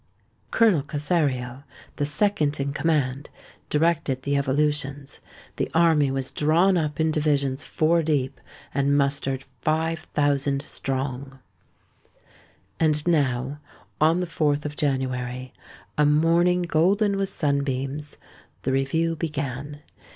Colonel Cossario, the second in command, directed the evolutions. The army was drawn up in divisions four deep, and mustered five thousand strong. And now, on the 4th of January, a morning golden with sun beams, the review began.